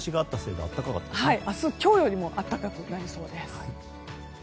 明日は今日よりも暖かくなりそうです。